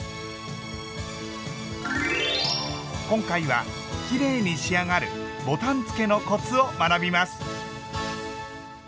今回はきれいに仕上がるボタンつけのコツを学びます。